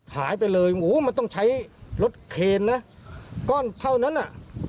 หายไปเลยหมูมันต้องใช้รถเคนนะก้อนเท่านั้นอ่ะ